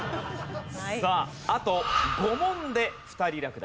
さああと５問で２人落第。